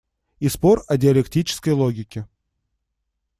И спор о диалектической логике.